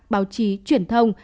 báo chí truyền thông